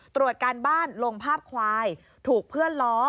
ตรวจการบ้านลงภาพควายถูกเพื่อนล้อ